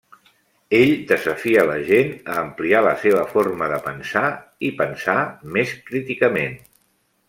Ell desafia la gent a ampliar la seva forma de pensar i pensar més críticament.